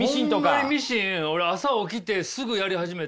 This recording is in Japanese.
ホンマにミシン俺朝起きてすぐやり始めて。